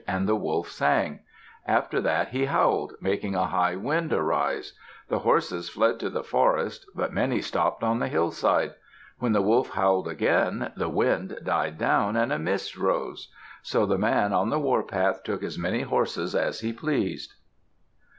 And the wolf sang. After that he howled, making a high wind arise. The horses fled to the forest, but many stopped on the hillside. When the wolf howled again, the wind died down and a mist arose. So the man on the warpath took as many horses as he pleased.